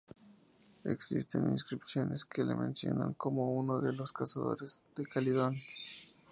Existen inscripciones que le mencionan como uno de los cazadores de Calidón.